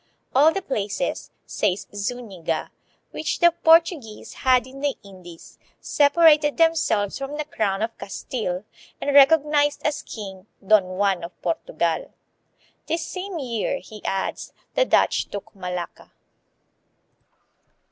"All the places," says Zuniga, "which the Portuguese had in the Indies, separated themselves from the crown of Castile and recognized as king, Don Juan of Portugal." "This same year," he adds, "the Dutch took Malacca."